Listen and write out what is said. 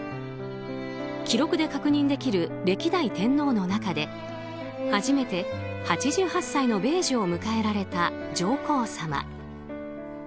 記録で確認できる歴代天皇の中で初めて８８歳の米寿を迎えられた上皇さま。